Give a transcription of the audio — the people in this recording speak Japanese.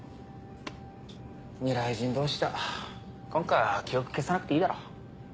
未来人同士だ今回は記憶消さなくていいだろ。